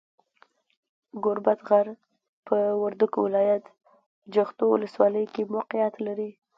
ګوربت غر، په وردګو ولایت، جغتو ولسوالۍ کې موقیعت لري.